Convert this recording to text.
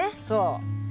そう。